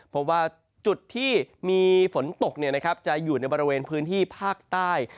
เพราะว่าจุดที่มีฝนตกจะอยู่ในบริเวณพื้นที่ภาคใต้